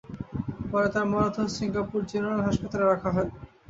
পরে তাঁর মরদেহ সিঙ্গাপুর জেনারেল হাসপাতালে রাখা হয়।